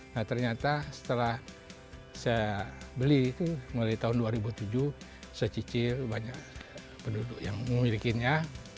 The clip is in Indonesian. nah ternyata setelah saya beli itu mulai tahun dua ribu tujuh saya cicil banyak penduduk yang memilikinya